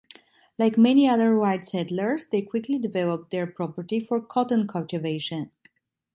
Like many other white settlers, they quickly developed their property for cotton cultivation.